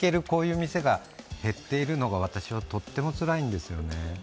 こういう店が減っているのが私はとってもつらいんですよね。